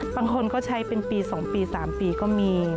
บางคนก็ใช้เป็นปี๒ปี๓ปีก็มี